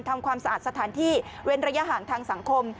ทำความสะอาดสถานที่เว้นระยะห่างทางสังคม